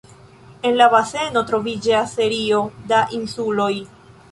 En la baseno troviĝas serio da insuloj.